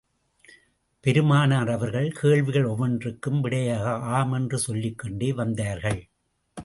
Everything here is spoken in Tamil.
பெருமானார் அவர்கள், கேள்விகள் ஒவ்வொன்றுக்கும் விடையாக ஆம் என்று சொல்லிக் கொண்டே வந்தார்கள்.